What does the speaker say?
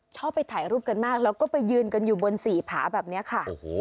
ชอบไปถ่ายรูปกันมากแล้วก็ไปยืนกันอยู่บนสี่ผาแบบนี้ค่ะ